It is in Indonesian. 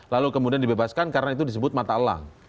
lalu kemudian dibebaskan karena itu disebut mata elang